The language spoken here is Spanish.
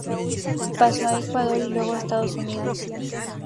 Pasó a Ecuador y luego a los Estados Unidos.